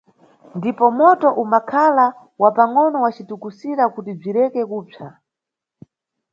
Ndipo moto umbakhala wa pangʼono wacitukusira kuti bzireke kupsa.